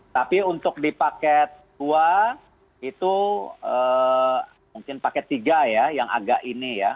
tapi untuk di paket dua itu mungkin paket tiga ya yang agak ini ya